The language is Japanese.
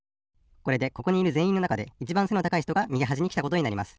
これでここにいるぜんいんのなかでいちばん背の高いひとがみぎはじにきたことになります。